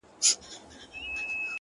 ژړا. سلگۍ زما د ژوند د تسلسل نښه ده.